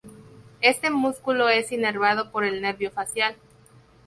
Este músculo es inervado por el nervio facial.